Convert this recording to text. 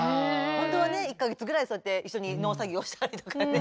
本当はね一か月ぐらいそうやって一緒に農作業したりとかね